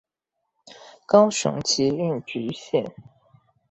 高雄捷運橘線